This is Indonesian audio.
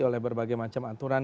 oleh berbagai macam aturan